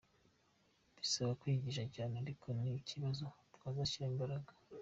Bisaba kwigsha cyane ariko ni ikibazo tuzashyiramo imbaraga.